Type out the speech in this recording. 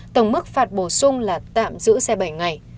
tổng mức phạt bổ sung là tạm giữ xe bảy ngày